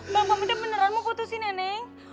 bang pemikiran beneran mau putusin ya neng